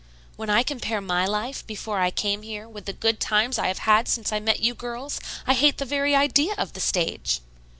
When I compare my life before I came here with the good times I have had since I met you girls, I hate the very idea of the stage.